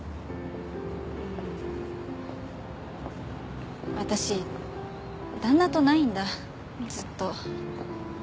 うん私旦那とないんだずっと。